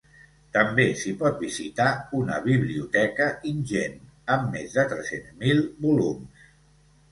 També s’hi pot visitar una biblioteca ingent, amb més de tres-cents mil volums.